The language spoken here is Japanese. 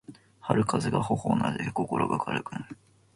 春風が頬をなでて心が軽くなる